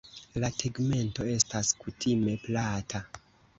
La tegmento estas kutime plata.